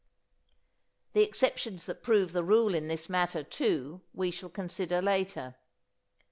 (The exceptions that prove the rule in this matter, too, we shall consider later.)